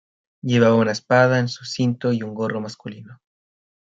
Llevaba una espada en su cinto y un gorro masculino.